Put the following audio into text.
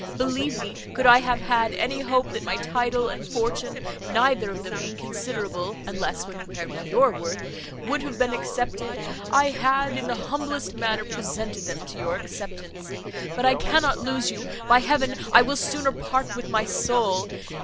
Believe me, could I have had any hope that my title and fortune, neither of them inconsiderable, unless when compared with your worth, would have been accepted, I had, in the humblest manner, presented them to your acceptance. But I cannot lose you. By heaven, I will sooner part with my soul!